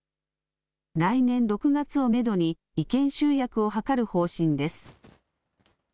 来年６月をメドに意見集約を図る方針です。